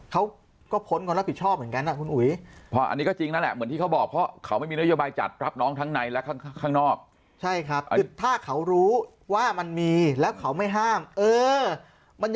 เขาก็พ้นความรับผิดชอบเหมือนกันนะคุณอุ๋ย